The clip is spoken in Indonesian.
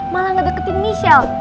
malah ga deketin michelle